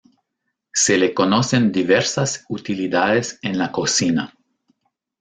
Se le conocen diversas utilidades en la cocina.